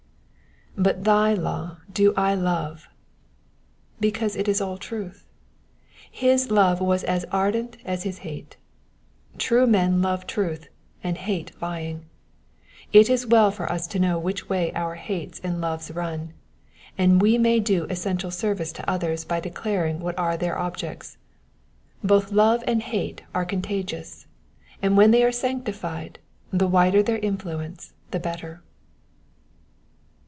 ''''But thy law do I love,'''* because it is all truth. His love was as ardent as his hate. True men love truth, and hate lying. It is well for us to know which way our hates and loves run, and we may do essential service to others by declaring what are their objects. Both love and hate are contagious, and when they are sanc tified the wider their influence the better.